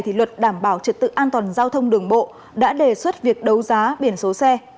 thì luật đảm bảo trật tự an toàn giao thông đường bộ đã đề xuất việc đấu giá biển số xe